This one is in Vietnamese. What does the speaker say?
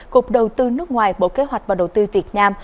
cục đầu tư nước ngoài bộ kế hoạch và đầu tư việt nam